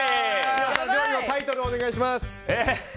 料理のタイトルをお願いします。